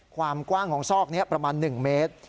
ความกว้างของซอกนี้ประมาณ๑เมตร